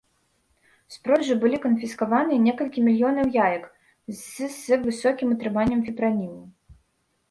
З продажу былі канфіскаваныя некалькі мільёнаў яек з з высокім утрыманнем фіпранілу.